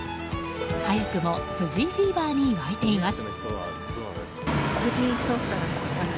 早くも藤井フィーバーに沸いています。